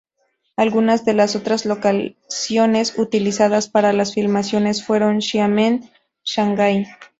Algunas de las otras locaciones utilizadas para las filmaciones fueron Xiamen, Shanghai.